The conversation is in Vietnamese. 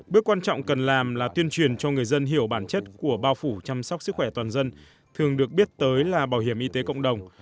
bước quan trọng cần làm là tuyên truyền cho người dân hiểu bản chất của bao phủ chăm sóc sức khỏe toàn dân thường được biết tới là bảo hiểm y tế cộng đồng